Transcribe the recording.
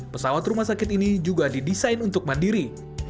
pesawat rumah sakit ini juga didesain untuk mandiri